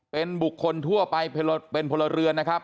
เป็นบุคคลทั่วไปเป็นพลเรือนนะครับ